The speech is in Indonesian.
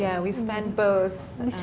ya kita menghabiskan berdua